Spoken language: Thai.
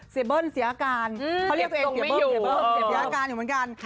เบิ้ลเสียอาการเขาเรียกตัวเองเสียเบิ้ลเสียเบิ้ลเสียอาการอยู่เหมือนกัน